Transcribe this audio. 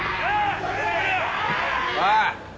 おい！